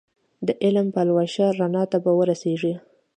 د علم پلوی شه رڼا ته به ورسېږې